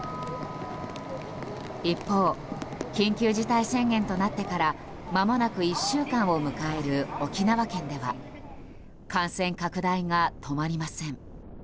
一方、緊急事態宣言となってからまもなく１週間を迎える沖縄県では感染拡大が止まりません。